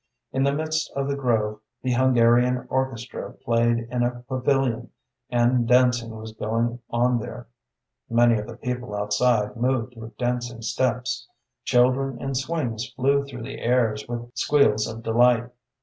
In the midst of the grove the Hungarian orchestra played in a pavilion, and dancing was going on there. Many of the people outside moved with dancing steps. Children in swings flew through the airs with squeals of delight.